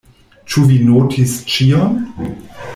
Ĉu vi notis ĉion?